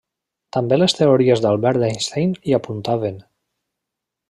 També les teories d'Albert Einstein hi apuntaven.